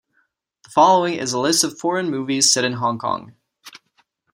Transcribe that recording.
The following is a list of foreign movies set in Hong Kong.